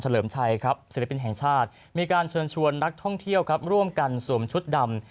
ชัยครับศิลปินแห่งชาติมีการเชิญชวนนักท่องเที่ยวครับร่วมกันสวมชุดดำ